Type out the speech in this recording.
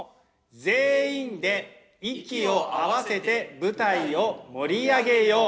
全員で息を合わせて舞台を盛り上げよう！